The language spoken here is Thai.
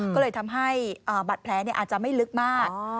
ก็เลยทำให้บาดแผลอาจจะไม่ลึกมาก